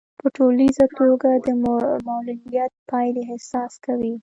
په ټولیزه توګه د معلوليت پايلې احساس کوي.